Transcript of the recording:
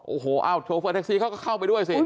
โอ้โหโอ้โหก็เข้าไปด้วยสิ